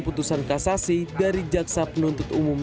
putusan kasasi dari jaksa penuntut umum